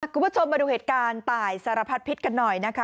คุณผู้ชมมาดูเหตุการณ์ตายสารพัดพิษกันหน่อยนะคะ